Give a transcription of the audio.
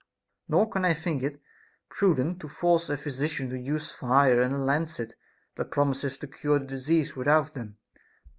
Nor can I think it prudent to force a physician to use fire and a lancet, that promiseth to cure the disease without them.